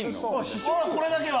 これだけは。